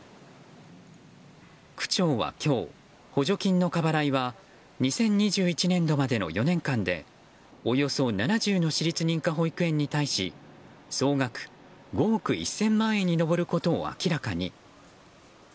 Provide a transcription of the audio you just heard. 区長は今日、補助金の過払いは２０２１年度までの４年間でおよそ７０の私立認可保育園に対し総額５憶１０００万円に上ることを明らかに。